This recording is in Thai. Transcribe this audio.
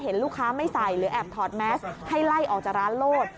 ลูกค้าไม่ใส่หรือแอบถอดแมสให้ไล่ออกจากร้านโลด